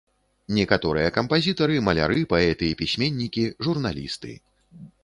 Некаторыя кампазітары, маляры, паэты і пісьменнікі, журналісты.